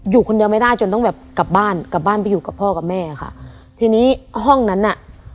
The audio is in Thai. อยู่คนเดียวไม่ได้จนต้องแบบกลับบ้านกลับบ้านไปอยู่กับพ่อกับแม่ค่ะทีนี้ห้องนั้นน่ะ